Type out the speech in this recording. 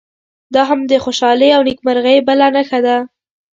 دا هم د خوشالۍ او نیکمرغۍ بله نښه ده.